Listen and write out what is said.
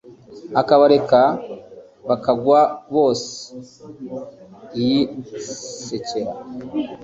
akabareka bakagwa bose yi sekera